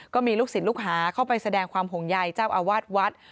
ก็มีลูกศิษย์ลูกหาเข้าไปแสดงความห่วงใยเจ้าอาวาสวัด